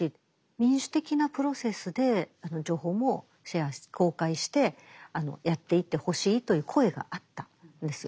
民主的なプロセスで情報もシェアして公開してやっていってほしいという声があったんですよ。